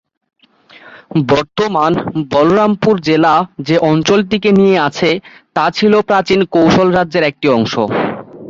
বর্তমান বলরামপুর জেলা যে অঞ্চলটিকে নিয়ে আছে তা ছিল প্রাচীন কোশল রাজ্যের একটি অংশ।